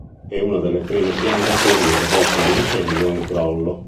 È una delle prime piante a fiorire dopo un incendio o un crollo.